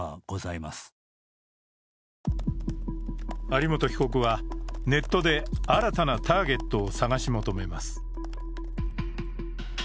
有本被告はネットで新たなターゲットを探し求めます。